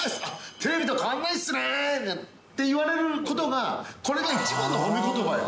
テレビと変わらないですねって言われることが、これが一番の褒めことばよ。